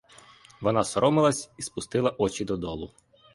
Вона засоромилася і спустила очі додолу.